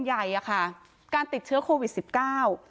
ชุมชนแฟลต๓๐๐๐๐คนพบเชื้อ๓๐๐๐๐คนพบเชื้อ๓๐๐๐๐คน